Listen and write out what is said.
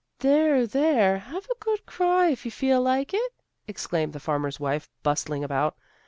" There! There! Have a good cry if you feel like it," exclaimed the farmer's wife, bustling about.